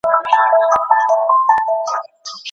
ایا په ډوډۍ کي د زیاتې مالګي اچول تاواني دي؟